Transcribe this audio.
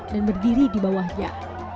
dan berdiri di bawahnya